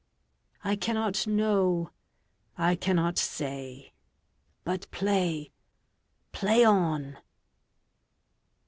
I cannot know. I cannot say. But play, play on.